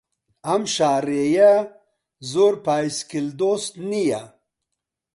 ئەم شاڕێیە زۆر پایسکل دۆست نییە.